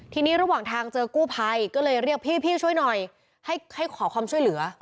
ทีนี้ระหว่างทางเจอกู้ภัยก็เลยเรียกพี่ช่วยหน่อยให้ขอความช่วยเหลือ